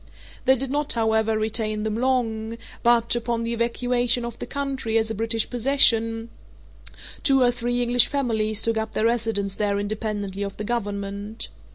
They did not, however, retain them long; but, upon the evacuation of the country as a British possession, two or three English families took up their residence there independently of the Government.